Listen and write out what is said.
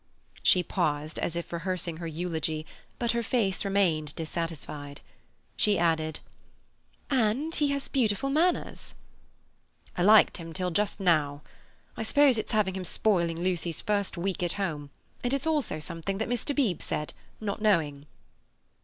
She paused, as if rehearsing her eulogy, but her face remained dissatisfied. She added: "And he has beautiful manners." "I liked him till just now. I suppose it's having him spoiling Lucy's first week at home; and it's also something that Mr. Beebe said, not knowing."